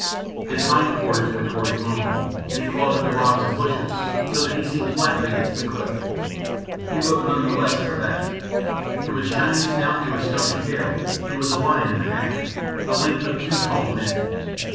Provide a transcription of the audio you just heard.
His hind quarters were towards Ugh lomi, and he clawed at the rocks and bushes so that he seemed flattened against the cliff. He looked none the less for that. From his shining snout to his stumpy tail he was a lion and a half, the length of two tall men.